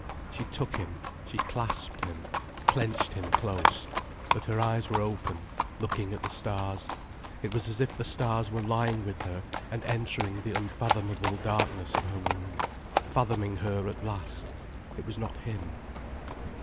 She took him, she clasped him, clenched him close, but her eyes were open looking at the stars, it was as if the stars were lying with her and entering the unfathomable darkness of her womb, fathoming her at last. It was not him.